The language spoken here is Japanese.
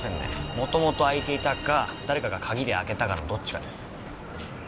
もともと開いていたか誰かが鍵で開けたかのどっちかです。